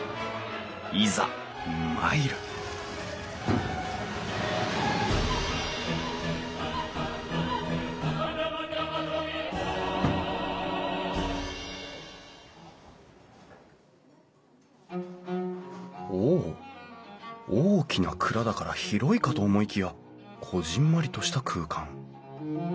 いざ参るお大きな蔵だから広いかと思いきやこぢんまりとした空間。